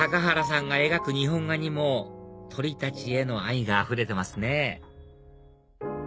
原さんが描く日本画にも鳥たちへの愛があふれてますね